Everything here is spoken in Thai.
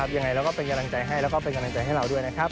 ยังไงเราก็เป็นกำลังใจให้แล้วก็เป็นกำลังใจให้เราด้วยนะครับ